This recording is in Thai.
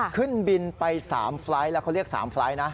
ขึ้นบินไป๓ไฟล์ทแล้วเขาเรียก๓ไฟล์ทนะ